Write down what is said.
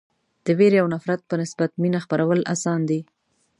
د وېرې او نفرت په نسبت مینه خپرول اسان دي.